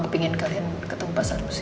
pengen kalian ketemu pak sanusi